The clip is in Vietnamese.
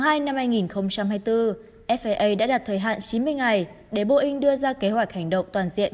năm hai nghìn hai mươi bốn faa đã đặt thời hạn chín mươi ngày để boeing đưa ra kế hoạch hành động toàn diện